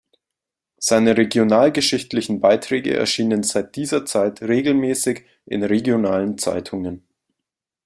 Seine regionalgeschichtlichen Beiträge erschienen seit dieser Zeit regelmäßig in regionalen Zeitungen.